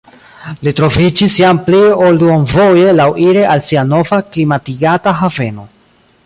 Li troviĝis jam pli ol duonvoje laŭire al sia nova klimatigata haveno.